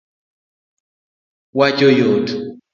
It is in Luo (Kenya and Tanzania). wacho yot